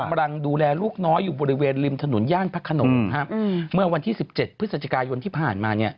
ปำรังดูแลลูกน้อยอยู่บริเวณริมถนนย่านพระขนมครับ